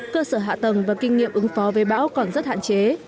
cơ sở hạ tầng và kinh nghiệm ứng phó với bão còn rất hạn chế